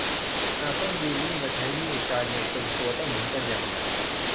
อาจต้องยืมหนี้มาใช้หนี้ การเงินตึงตัวต้องหมุนกันอย่างหนัก